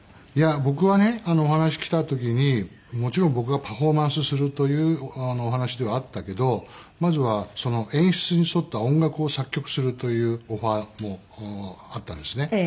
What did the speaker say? いや僕はねお話来た時にもちろん僕がパフォーマンスするというお話ではあったけどまずは演出に沿った音楽を作曲するというオファーもあったんですね。